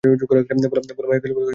ভোলা, মেয়েগুলোকে খাবার দিয়েছিস?